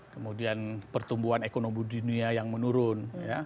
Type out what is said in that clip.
kemudian pertumbuhan ekonomi dunia yang menurun